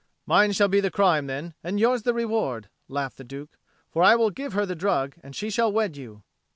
"Mine shall be the crime, then, and yours the reward," laughed the Duke. "For I will give her the drug, and she shall wed you."